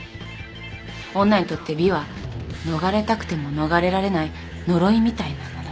女にとって美は逃れたくても逃れられない呪いみたいなもの。